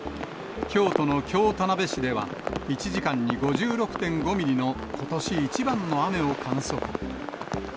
京都の京田辺市では、１時間に５６．５ミリのことし一番の雨を観測。